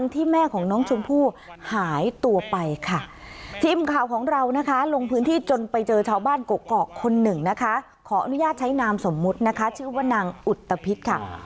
ทีมข่าวของเรานะคะลงพื้นที่จนไปเจอชาวบ้านเกาะเกาะคนหนึ่งนะคะขออนุญาตใช้นามสมมุตินะคะชื่อว่านางอุตพิษค่ะ